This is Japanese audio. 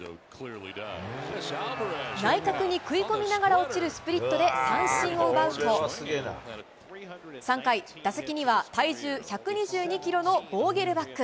内角に食い込みながら落ちるスプリットで三振を奪うと、３回、打席には、体重１２２キロのボーゲルバック。